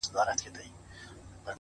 د انسانیت سره دا یو قول کومه ځمه’